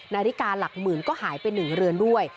นาฬิกาหลักหมื่นก็หายไป๑เรือนด้วย